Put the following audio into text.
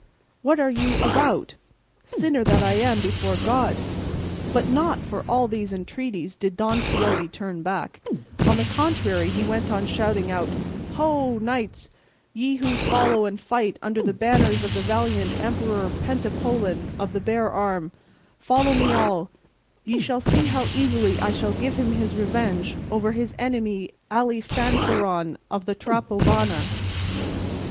What are you about? Sinner that I am before God!" But not for all these entreaties did Don Quixote turn back; on the contrary he went on shouting out, "Ho, knights, ye who follow and fight under the banners of the valiant emperor Pentapolin of the Bare Arm, follow me all; ye shall see how easily I shall give him his revenge over his enemy Alifanfaron of the Trapobana."